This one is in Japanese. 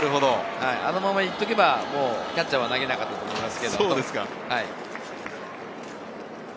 あのまま行っておけばキャッチャーは投げなかったと思います。